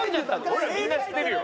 俺らみんな知ってるよ。